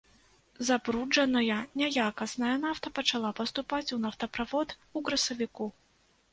Забруджаная няякасная нафта пачала паступаць у нафтаправод у красавіку.